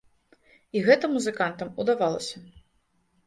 І гэта музыкантам удавалася.